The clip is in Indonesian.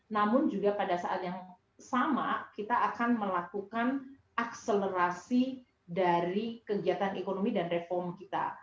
namun juga pada saat yang sama kita akan melakukan akselerasi dari kegiatan ekonomi dan reform kita